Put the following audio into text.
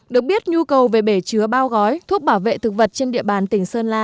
được biết nhu cầu về bể chứa bao gói thuốc bảo vệ thực vật trên địa bàn tỉnh sơn la